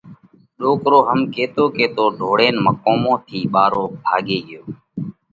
ڏوڪرو هم ڪيتو ڪيتو ڍوڙينَ مقومون ٿِي ٻارو ڀاڳي ڳيو.